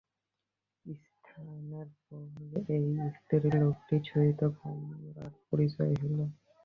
স্নানের পর এই স্ত্রীলোকটির সহিত কমলার পরিচয় হইল।